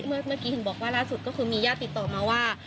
เมื่อกี้ถึงบอกว่าล่าสุดก็คือมีญาติติดต่อมาว่า